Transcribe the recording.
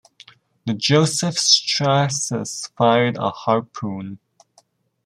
The "Joseph Strauss" fired a Harpoon.